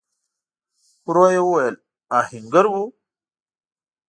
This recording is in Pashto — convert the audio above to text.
ورو يې وويل: آهنګر و؟